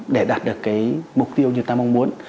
để đạt được cái mục tiêu như ta mong muốn